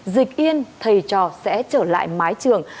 dịch yên thầy trò sẽ trở lại mái trường